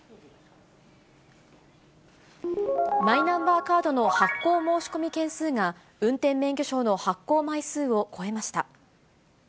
マイナンバーカードの発行申し込み件数が、運転免許証の発行枚数を超えました。